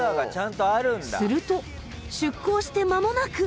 すると出港してまもなく。